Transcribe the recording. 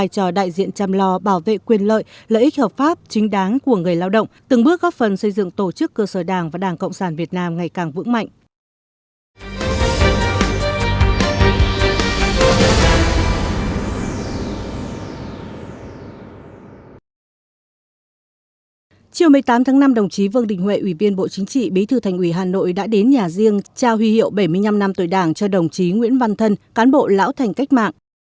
chiều một mươi tám tháng năm đồng chí vương đình huệ ủy viên bộ chính trị bí thư thành ủy hà nội đã đến nhà riêng trao huy hiệu bảy mươi năm năm tuổi đảng cho đồng chí nguyễn văn thân cán bộ lão thành cách mạng